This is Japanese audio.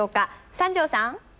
三條さん。